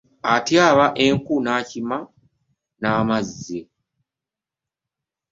Atyaba enku, n’akima n’amazzi.